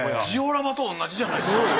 ジオラマと同じじゃないですか。